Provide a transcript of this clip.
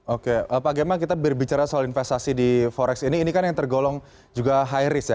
oke pak gemma kita berbicara soal investasi di forex ini ini kan yang tergolong juga high risk ya